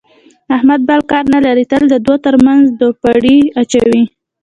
احمد بل کار نه لري، تل د دوو ترمنځ دوپړې اچوي.